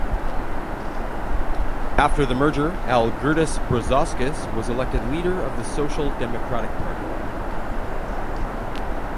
After the merger, Algirdas Brazauskas was elected leader of the Social Democratic Party.